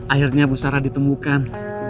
akhirnya bu sarah ditemukan